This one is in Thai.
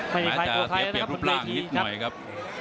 มีค่าตัวเสียเปรียบรูปร่างนิดหน่อยครับ